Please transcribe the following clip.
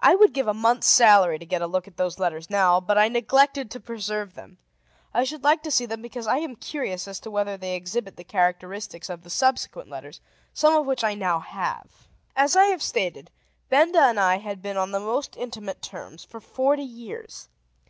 I would give a month's salary to get a look at those letters now; but I neglected to preserve them. I should like to see them because I am curious as to whether they exhibit the characteristics of the subsequent letters, some of which I now have. As I have stated, Benda and I had been on the most intimate terms for forty years.